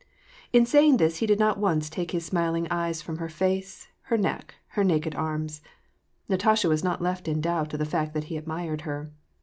In saying this he did not once take his smiling eyes from her face, her neck, her naked arms. Natasha was not left in doubt of the fact that he admired her.